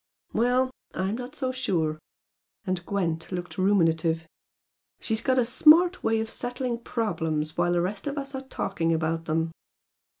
"Well! I'm not so sure!" and Gwent looked ruminative "She's got a smart way of settling problems while the rest of us are talking about them."